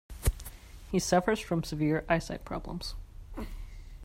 He suffers from severe eyesight problems.